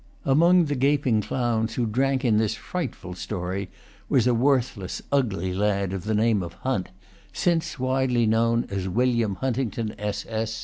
Among the gaping clowns who drank in this frightful story was a worthless ugly lad of the name of Hunt, since widely known as William Huntington, S.S.